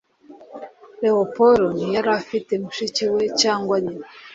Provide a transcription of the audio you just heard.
leopold ntiyari agifite mushiki we cyangwa nyina